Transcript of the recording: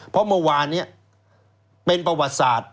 เพราะเมื่อวานนี้เป็นประวัติศาสตร์